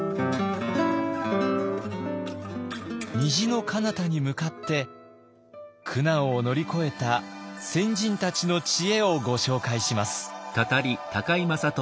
虹の彼方に向かって苦難を乗り越えた先人たちの知恵をご紹介します。